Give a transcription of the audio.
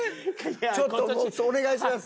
ちょっともうお願いします。